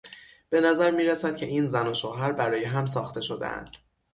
به نظر میرسد که این زن و شوهر برای هم ساخته شدهاند.